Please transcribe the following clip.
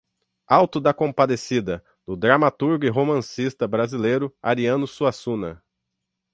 Auto da Compadecida, do dramaturgo e romancista brasileiro Ariano Suassuna